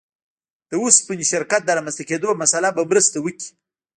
د اوسپنې شرکت د رامنځته کېدو مسأله به مرسته وکړي.